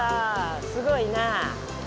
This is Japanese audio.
すごいな。